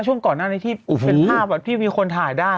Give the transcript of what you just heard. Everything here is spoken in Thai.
ช่วงก่อนหน้านี้ที่เป็นภาพแบบที่มีคนถ่ายได้